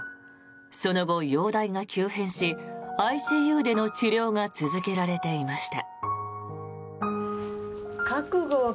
その後、容体が急変しＩＣＵでの治療が続けられていました。